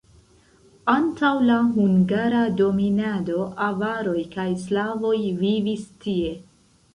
Antaŭ la hungara dominado avaroj kaj slavoj vivis tie.